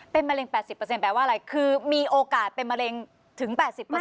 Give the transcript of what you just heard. เป็นมะเร็ง๘๐แปลว่าอะไรคือมีโอกาสเป็นมะเร็งถึง๘๐